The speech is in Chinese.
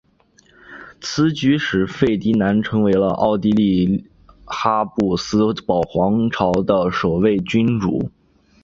此举使费迪南成为了奥地利哈布斯堡皇朝的首位君主。